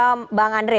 saya mau ke bang andre